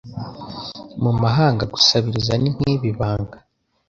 Mu mahanga gusabiriza ni nkibi banga